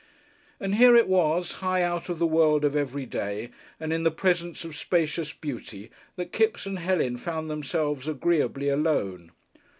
And here it was, high out of the world of everyday, and in the presence of spacious beauty, that Kipps and Helen found themselves agreeably alone.